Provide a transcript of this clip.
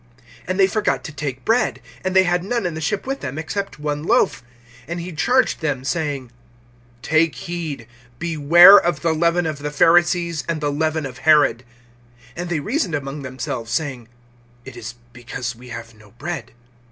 (14)And they forgot to take bread; and they had none in the ship with them, except one loaf. (15)And he charged them, saying: Take heed, beware of the leaven of the Pharisees and the leaven of Herod. (16)And they reasoned among themselves, saying: It is because we have no bread.